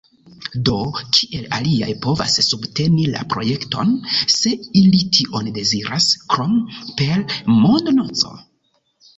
Do, kiel aliaj povas subteni la projekton, se ili tion deziras, krom per mondonaco?